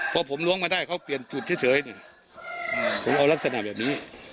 พอผมล้วงมาได้เขาเปลี่ยนจุดเฉยเนี่ยผมเอาลักษณะแบบนี้